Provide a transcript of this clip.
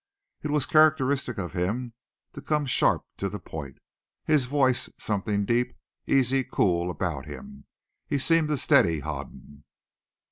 It was characteristic of him to come sharp to the point. His voice, something deep, easy, cool about him, seemed to steady Hoden.